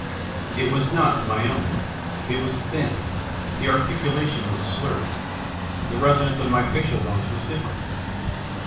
It was not my own, it was thin, the articulation was slurred, the resonance of my facial bones was different.